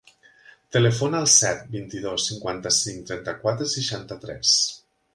Telefona al set, vint-i-dos, cinquanta-cinc, trenta-quatre, seixanta-tres.